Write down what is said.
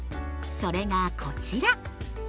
それがこちら！